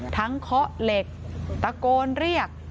เคาะเหล็กตะโกนเรียก